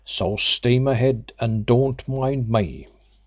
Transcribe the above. So steam ahead and don't mind me."